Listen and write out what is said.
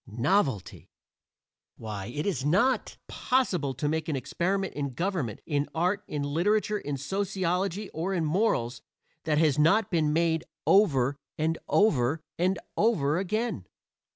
Novelty! Why, it is not possible to make an experiment in government, in art, in literature, in sociology, or in morals, that has not been made over, and over, and over again.